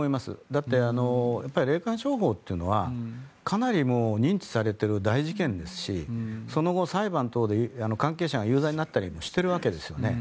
だって、霊感商法というのはかなり認知されている大事件ですしその後、裁判等で関係者が有罪になったりもしているわけですよね。